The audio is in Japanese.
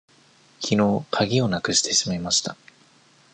きのうかぎをなくしてしまいました。